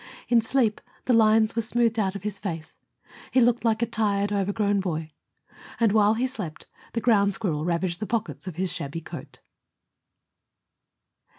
In sleep the lines were smoothed out of his face. He looked like a tired, overgrown boy. And while he slept the ground squirrel ravaged the pockets of his shabby coat.